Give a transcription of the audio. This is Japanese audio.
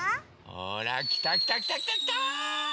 ほらきたきたきたきたきた！